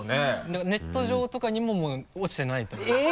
だからネット上とかにも落ちてないと思います。